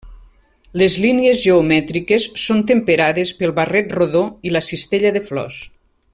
Les línies geomètriques són temperades pel barret rodó i la cistella de flors.